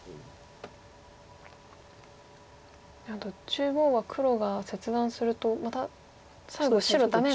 あと中央は黒が切断するとまた最後白ダメが。